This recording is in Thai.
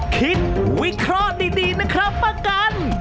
วิเคราะห์ดีนะครับประกัน